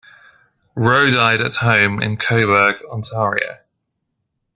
Rowe died at home in Cobourg, Ontario.